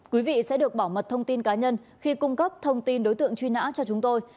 quý vị sẽ được bảo mật thông tin cá nhân khi cung cấp thông tin đối tượng truy nã cho chúng tôi